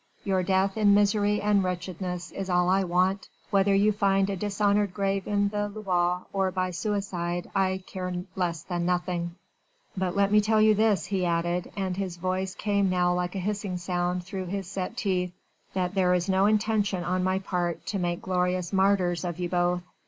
Your death in misery and wretchedness is all I want, whether you find a dishonoured grave in the Loire or by suicide I care less than nothing. But let me tell you this," he added, and his voice came now like a hissing sound through his set teeth, "that there is no intention on my part to make glorious martyrs of you both.